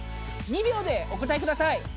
２秒でお答えください。